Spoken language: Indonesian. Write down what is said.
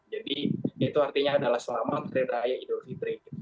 jadi itu artinya adalah selamat hari raya idul fitri